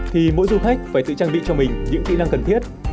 thì mỗi du khách phải tự trang bị cho mình những kỹ năng cần thiết